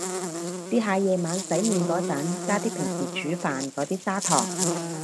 試下夜晚洗面個陣加啲平時煮飯個啲砂糖